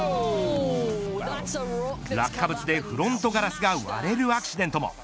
落下物でフロントガラスが割れるアクシデントも。